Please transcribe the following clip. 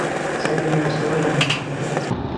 Xa tiñamos todo organizado.